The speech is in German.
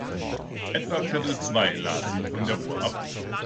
Etwa viertel zwei las sie von der Uhr ab.